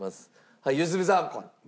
はい良純さん。